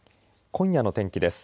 今夜の天気です。